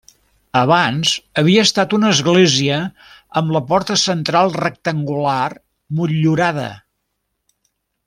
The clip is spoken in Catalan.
Abans havia estat una església amb la porta central rectangular motllurada.